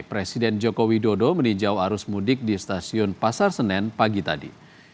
presiden joko widodo meninjau arus mudik di stasiun pasar senen pagi tadi